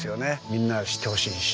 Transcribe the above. みんなに知ってほしいし。